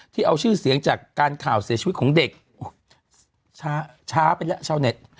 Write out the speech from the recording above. เอาชื่อเสียงจากการข่าวเสียชีวิตของเด็กช้าไปแล้วชาวเน็ต